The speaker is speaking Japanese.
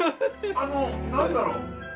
あのなんだろう